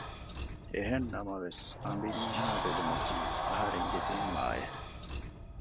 އެހެންނަމަވެސް އަނބިމީހާ ބެލުމަކީ އަހަރެންގެ ޒިންމާއެއް